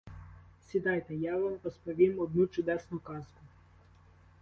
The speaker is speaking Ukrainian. Сідайте, я вам розповім одну чудесну казку.